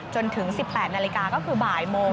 จนถึง๑๘นาฬิกาก็คือบ่ายโมง